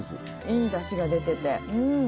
いい出汁が出てて。